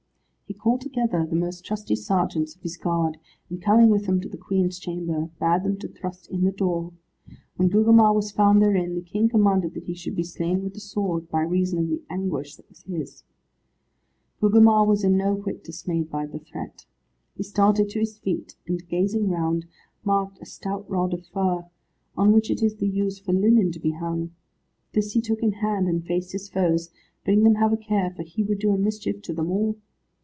He called together the most trusty sergeants of his guard, and coming with them to the Queen's chamber, bade them to thrust in the door. When Gugemar was found therein, the King commanded that he should be slain with the sword, by reason of the anguish that was his. Gugemar was in no whit dismayed by the threat. He started to his feet, and gazing round, marked a stout rod of fir, on which it is the use for linen to be hung. This he took in hand, and faced his foes, bidding them have a care, for he would do a mischief to them all.